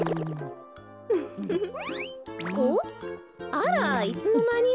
あらっいつのまに？